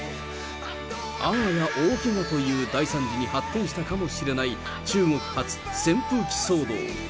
あわや大けがという大惨事に発展したかもしれない、中国発、扇風機騒動。